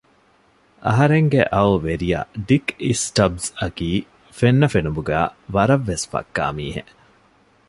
އަހަރެންގެ އައު ވެރިޔާ ޑިކް އިސްޓަބްސް އަކީ ފެންނަ ފެނުމުގައި ވަރަށް ވެސް ފައްކާ މީހެއް